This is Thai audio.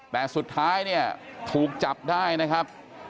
แต่สุดท้ายเนี่ยถูกจับได้นะครับ